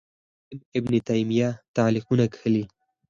بل لوی عالم ابن تیمیه تعلیقونه کښلي